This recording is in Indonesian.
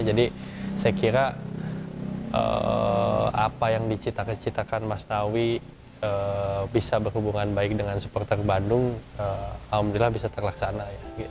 jadi saya kira apa yang dicitakan dicitakan masnawi bisa berhubungan baik dengan supporter bandung alhamdulillah bisa terlaksana